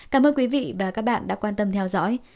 cảm ơn quý vị và các bạn đã quan tâm theo dõi